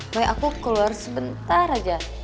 pokoknya aku keluar sebentar aja